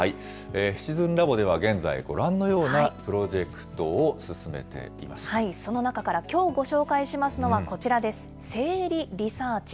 シチズンラボでは現在、ご覧のようなプロジェクトを進めていその中からきょうご紹介しますのは、こちらです、生理リサーチ。